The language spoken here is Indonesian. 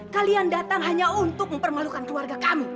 kalian datang hanya untuk mempermalukan keluarga kami